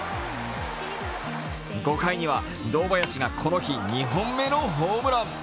５回には堂林がこの日、２本目のホームラン。